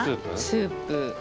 スープ。